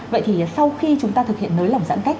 vậy thì sau khi chúng ta thực hiện nới lỏng giãn cách